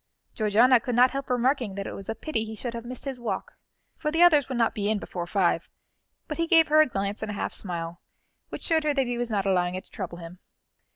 Georgiana could not help remarking that it was a pity he should have missed his walk, for the others would not be in before five; but he gave her a glance and a half smile, which showed her that he was not allowing it to trouble him.